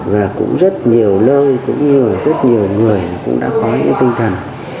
và cũng rất nhiều lơi cũng như là rất nhiều người cũng đã có những tinh thần